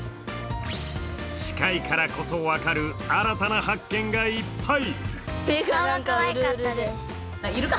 近いからこそ分かる新たな発見がいっぱい！